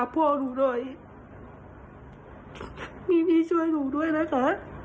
พี่พี่ช่วยหนูด้วยนะคะ